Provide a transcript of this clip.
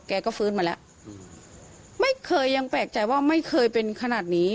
ก็ฟื้นมาแล้วไม่เคยยังแปลกใจว่าไม่เคยเป็นขนาดนี้